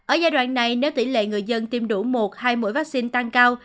ở giai đoạn này nếu tỷ lệ người dân tiêm đủ một hai mũi vaccine tăng cao